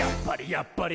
やっぱり！」